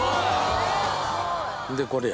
でこれや。